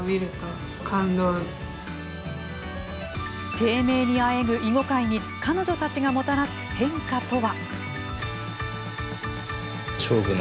低迷にあえぐ囲碁界に彼女たちがもたらす変化とは。